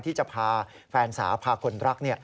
ที่จะพาแฟนสาวพาคนรัก